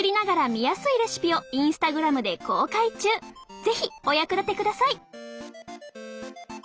是非お役立てください！